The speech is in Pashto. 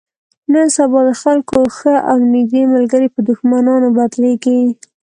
نن سبا د خلکو ښه او نیږدې ملګري په دښمنانو بدلېږي.